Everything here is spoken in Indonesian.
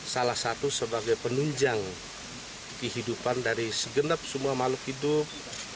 salah satu sebagai penunjang kehidupan dari segenap semua makhluk hidup